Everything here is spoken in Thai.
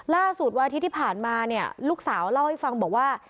วันอาทิตย์ที่ผ่านมาเนี่ยลูกสาวเล่าให้ฟังบอกว่า